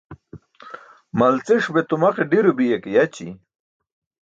Malciṣ be tumaqee ḍi̇ro biya ke yaći̇.